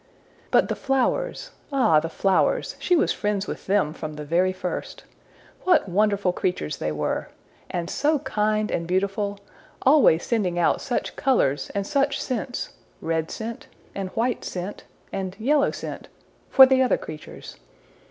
But the flowers! ah, the flowers! she was friends with them from the very first. What wonderful creatures they were! and so kind and beautiful always sending out such colors and such scents red scent, and white scent, and yellow scent for the other creatures!